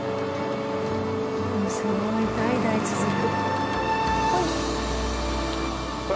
すごい代々続く。